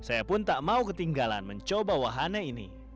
saya pun tak mau ketinggalan mencoba wahana ini